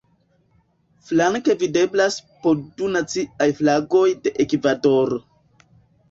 Flanke videblas po du naciaj flagoj de Ekvadoro.